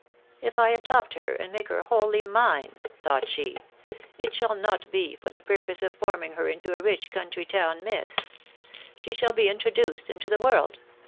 u If I do adopt her, and make her wholly mine/' thought she, "it shall not be for the purpose of forming her into a rich country town miss. ... She shall be introduced into the world